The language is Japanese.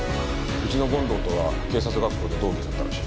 うちの権藤とは警察学校で同期だったらしい。